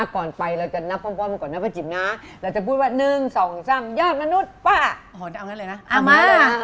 ก่อนไปเราจะนับป้องไปก่อนนะ